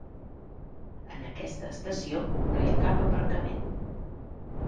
En aquesta estació no hi ha cap aparcament.